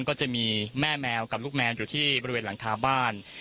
ก็จะมีแม่แมวกับลูกแมวอยู่ที่บริเวณหลังคาบ้าน